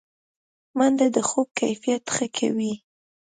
منډه د خوب کیفیت ښه کوي